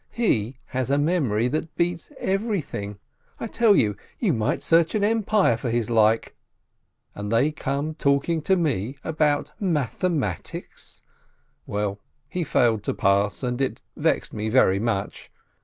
He has a memory that beats everything! I tell you, you might search an empire for his like — and they come talking to me about mathematics ! Well, he failed to pass, and it vexed me very much.